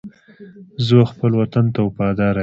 زه و خپل وطن ته وفاداره یم.